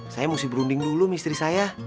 saya mesti berunding dulu misteri saya